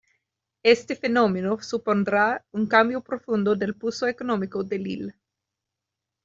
Este fenómeno supondrá un cambio profundo del pulso económico de Lille.